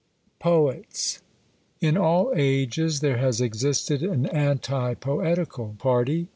POETS. In all ages there has existed an anti poetical party.